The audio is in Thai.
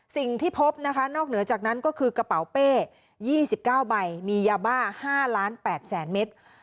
สิ่งที่พบนะคะนอกเหนือจากนั้นก็คือกระเป๋าเป้๒๙ใบมียาบ้า๕๘๐๐๐เมตร